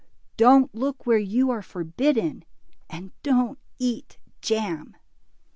Don't look where you are forbidden, and don't eat jam."